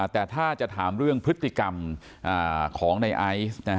แต่ถ้าจะถามเรื่องพฤติกรรมของในไอซ์